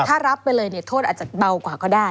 ถ้ารับไปเลยเนี่ยโทษอาจจะเบากว่าก็ได้